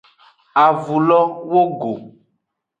Avulo wogo.